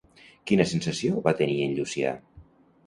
Quina sensació va tenir en Llucià?